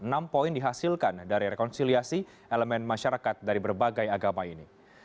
enam poin dihasilkan dari rekonsiliasi elemen masyarakat dari berbagai agama ini